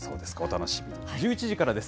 １１時からです。